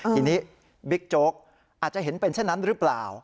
ทีนี้บิ๊กโจ๊กอาจจะเห็นเป็นเช่นนั้นหรือเปล่า